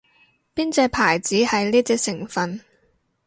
邊隻牌子係呢隻成份